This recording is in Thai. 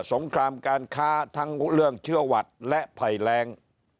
งครามการค้าทั้งเรื่องเชื้อหวัดและภัยแรง